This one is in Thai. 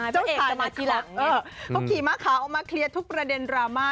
เจ้าชายมาทีหลังเขาขี่ม้าขาวออกมาเคลียร์ทุกประเด็นดราม่า